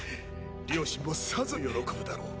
両親もさぞ喜ぶだろう